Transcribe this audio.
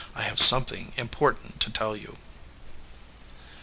I have something important to tell you."